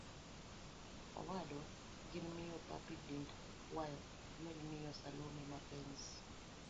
Owadwa.gi miyo Papi Dindi kwayo igweli miyo Salome Mapenzi